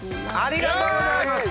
ありがとうございます。